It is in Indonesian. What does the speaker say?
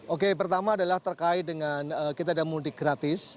oke pertama adalah terkait dengan kita ada mudik gratis